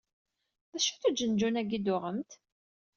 D acu-t uǧenǧun-agi i d-tuɣemt?